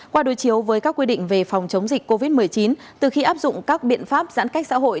qua đối chiếu với các quy định về phòng chống dịch covid một mươi chín từ khi áp dụng các biện pháp giãn cách xã hội